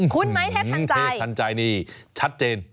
ไหมเทพทันใจเทพทันใจนี่ชัดเจน